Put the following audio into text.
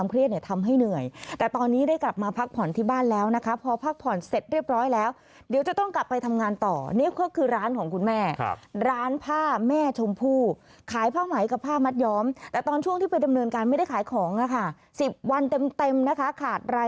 แม่พร้อมที่จะสู้เพื่อลูก